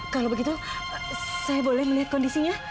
kalau begitu saya boleh melihat kondisinya